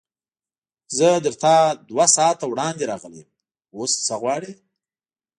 زه تر تا دوه ساعته وړاندې راغلی یم، اوس څه غواړې؟